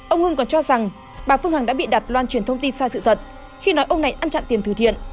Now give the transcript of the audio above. ông hưng còn cho rằng bà phương hằng đã bị đặt loan truyền thông tin sai sự thật khi nói ông này ăn chặn tiền từ thiện